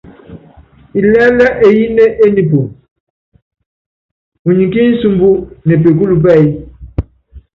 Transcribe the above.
Ilɛ́lɛ́ eyíné e nipun, unyɛ ki nsumbú ne pekul pɛɛy.